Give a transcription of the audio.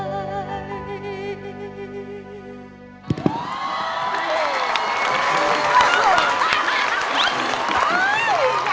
ไปดูเนี่ย